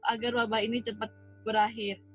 agar wabah ini cepat berakhir